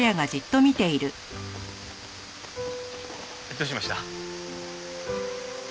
どうしました？